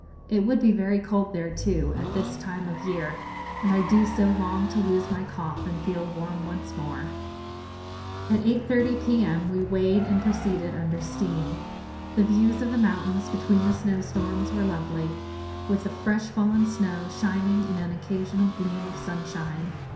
It would be very cold there, too, at this time of year; and I do so long to lose my cough and feel warm once more. At 8.30 p.m. we weighed and proceeded under steam. The views of the mountains, between the snowstorms, were lovely, with the fresh fallen snow shining in an occasional gleam of sunshine.